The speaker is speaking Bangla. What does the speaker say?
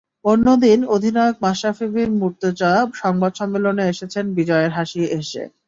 অন্যদিন অধিনায়ক মাশরাফি বিন মুর্তজা সংবাদ সম্মেলনে এসেছেন বিজয়ের হাসি এসে।